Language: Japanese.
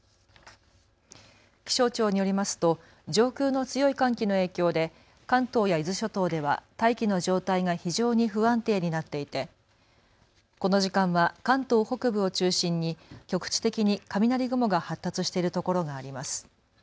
気象庁によりますと上空の強い寒気の影響で関東や伊豆諸島では大気の状態が非常に不安定になっていてこの時間は関東北部を中心に局地的に雷雲が発達しているところがあります。